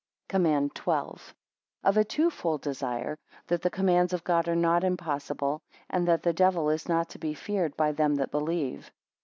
COMMAND XII. Of a two fold desire: that the commands of God, are not impossible: and that the devil is not to be feared by them that believe.